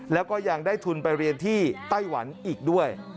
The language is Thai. แล้วก็ยังได้ทุนไปเรียนที่ไต้หวันอีกด้วย